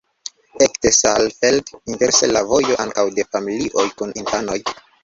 Ekde Saalfeld inverse la vojo ankaŭ de familioj kun infanoj.